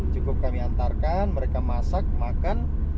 cukup kami antarkan mereka masak makan